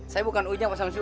saya bukan ujang pak samso